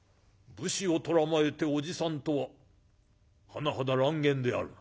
武士を捕らまえて『おじさん』とは甚だ乱言であるな」。